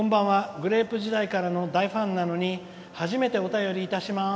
グレープ時代からの大ファンなのに初めてお便りいたします。